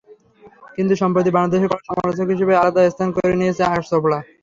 কিন্তু সম্প্রতি বাংলাদেশের কড়া সমালোচক হিসেবে আলাদা স্থান করে নিয়েছেন আকাশ চোপড়া।